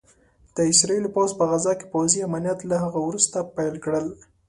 د اسرائيلو پوځ په غزه کې پوځي عمليات له هغه وروسته پيل کړل